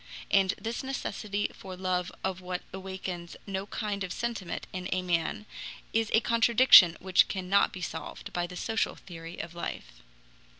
And this necessity for love of what awakens no kind of sentiment in a man is a contradiction which cannot be solved by the social theory of life.